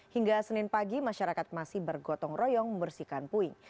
hingga senin pagi masyarakat masih bergotong royong membersihkan puing